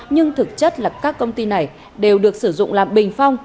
nhưng thực chất là các công ty này đều được sử dụng làm bình phong